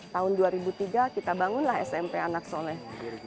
tahun dua ribu tiga kita bangunlah smp anak soleh